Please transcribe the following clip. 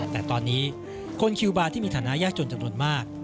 แต่ตอนนี้คนคิวบาร์ที่มีฐานะยากจนจำนวนมาก